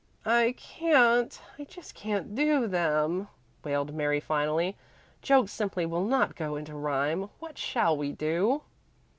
"I can't I just can't do them," wailed Mary finally. "Jokes simply will not go into rhyme. What shall we do?"